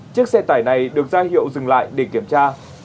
chiếc xe tải này được ra hiệu dừng lại để kiểm tra